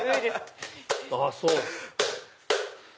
あっそう！